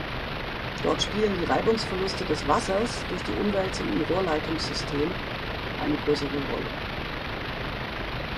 Dort spielen die Reibungsverluste des Wassers durch die Umwälzung im Rohrleitungssystem eine größere Rolle.